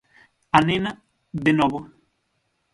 A nena, de novo: